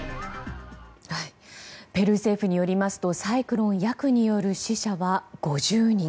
ペルー政府によりますとサイクロンヤクによる死者は５０人。